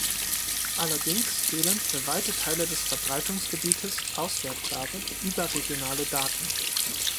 Allerdings fehlen für weite Teile des Verbreitungsgebietes auswertbare überregionale Daten.